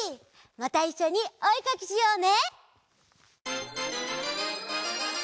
またいっしょにおえかきしようね！